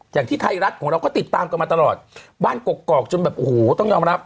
อย่างที่ไทยรัฐของเราก็ติดตามกันมาตลอดบ้านกกอกจนแบบโอ้โหต้องยอมรับ